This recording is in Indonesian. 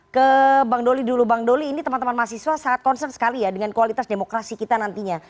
oke jadi di dulu bang dolin ini teman teman mahasiswa sangat concern sekali ya dengan kualitas demokrasi kita nantinya